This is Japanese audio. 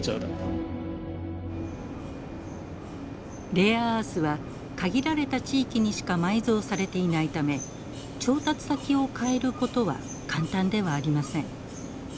レアアースは限られた地域にしか埋蔵されていないため調達先をかえることは簡単ではありません。